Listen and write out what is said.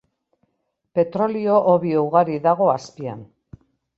Petrolio hobi ugari dago azpian.